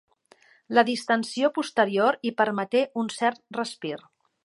La distensió posterior hi permeté un cert respir.